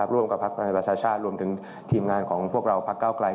ร่วมกับพลักษณภาคประชาชาชน์รวมถึงทีมงานของพวกเราแพรคเก้าไกล